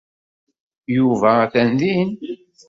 Yuba atan din.